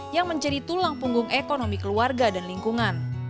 yang menjadi tulang punggung ekonomi keluarga dan lingkungan